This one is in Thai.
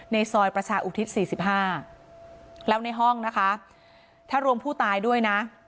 ซอยประชาอุทิศ๔๕แล้วในห้องนะคะถ้ารวมผู้ตายด้วยนะ